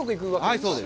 そうです。